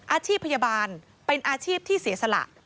อาชีพพยาบาลเป็นอาชีพที่เสียสละ